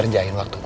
udah dua jam